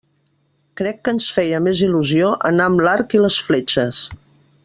Crec que ens feia més il·lusió anar amb l'arc i les fletxes.